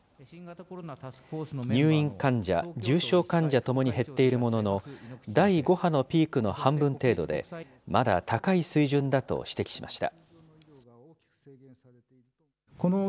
入院患者、重症患者ともに減っているものの、第５波のピークの半分程度で、まだ高い水準だと指摘しました。